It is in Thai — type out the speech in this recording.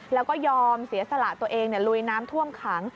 แล้วก็ยอมเสียสละตัวเองลุยน้ำท่วมขัง